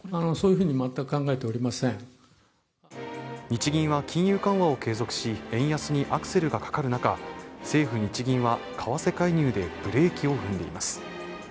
日銀は金融緩和を継続し円安にアクセルがかかる中、政府・日銀は為替介入でブレーキを踏んでいます。